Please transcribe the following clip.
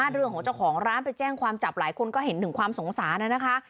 เรื่องของเจ้าของร้านไปแจ้งความจับหลายคนก็เห็นถึงความสงสารนะคะ